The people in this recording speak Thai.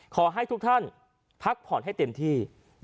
ขอให้ทุกท่านพักผ่อนให้เต็มที่